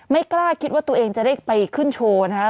ไม่กล้าคิดว่าตัวเองจะได้ไปขึ้นโชว์นะครับ